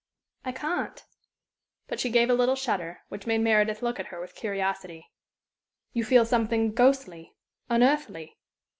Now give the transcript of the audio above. '" "I can't." But she gave a little shudder, which made Meredith look at her with curiosity. "You feel something ghostly unearthly?"